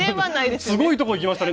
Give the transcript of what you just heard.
すごいとこいきましたね